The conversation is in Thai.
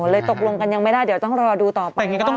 ตกลงกันยังไม่ได้เดี๋ยวต้องรอดูต่อไปว่า